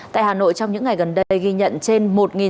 tại hà nội trong những ngày gần đây ghi nhận trên một sáu trăm linh